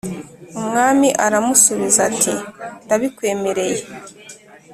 Umwami ararnusubiza ati ndabikwemereye